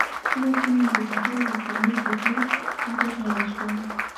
کله چې مې د سفر غوښتنلیک لیکه نو خوشاله شوم.